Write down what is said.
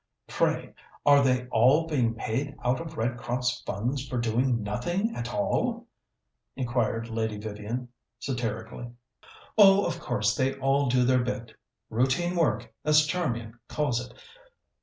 Pray, are they all being paid out of Red Cross funds for doing nothing at all?" inquired Lady Vivian satirically. "Oh, of course they all do their bit. Routine work, as Charmian calls it.